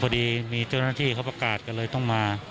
พอดีมีเจ้าหน้าที่เขาประกาศกันเลยต้องมา